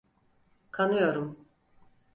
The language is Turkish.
Kanıyorum.